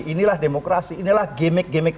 inilah demokrasi inilah gimmick gimmick